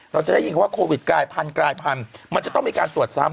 เราจะได้ยินว่าโควิดกลายพันมันจะต้องมีการตรวจซ้ำ